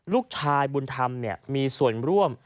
ลูกชายบุญธรรมมีส่วนร่วม